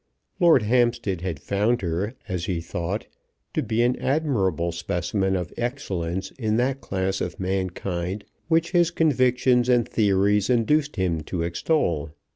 Lord Hampstead had found her, as he thought, to be an admirable specimen of excellence in that class of mankind which his convictions and theories induced him to extol.